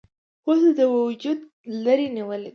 وزن د وجوده لرې نيول ،